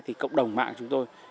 thì cộng đồng mạng chúng tôi